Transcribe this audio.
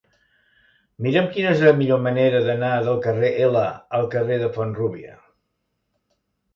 Mira'm quina és la millor manera d'anar del carrer L al carrer de Font-rúbia.